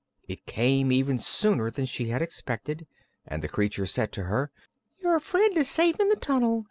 It came even sooner than she had expected and the creature said to her: "Your friend is safe in the tunnel.